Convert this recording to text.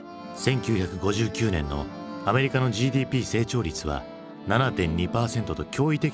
１９５９年のアメリカのＧＤＰ成長率は７．２％と驚異的な伸びを記録。